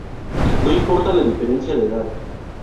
No importaba la diferencia de edad.